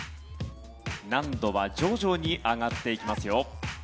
難度は徐々に上がっていきますよ。